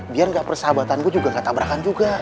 biar ga persahabatan gue juga ga tabrakan juga